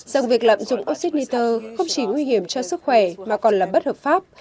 rằng việc lạm dụng oxy nitro không chỉ nguy hiểm cho sức khỏe mà còn là bất hợp pháp